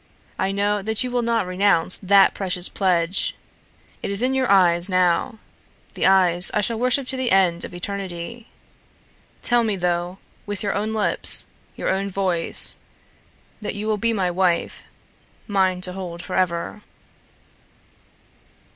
I know that you will not renounce that precious pledge. It is in your eyes now the eyes I shall worship to the end of eternity. Tell me, though, with your own lips, your own voice, that you will be my wife, mine to hold forever."